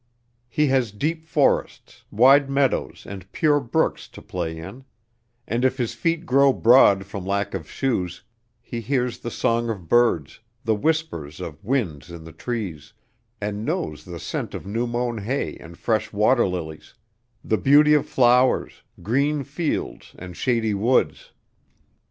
He has deep forests, wide meadows and pure brooks to play in; and if his feet grow broad from lack of shoes, he hears the song of birds, the whispers of winds in the trees, and knows the scent of new mown hay and fresh water lilies, the beauty of flowers, green fields and shady woods.